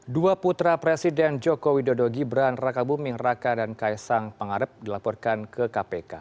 dua putra presiden joko widodo gibran raka buming raka dan kaisang pangarep dilaporkan ke kpk